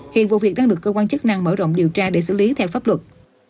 hiện vụ việc đang được cơ quan chức năng mở rộng điều tra để xử lý theo pháp luật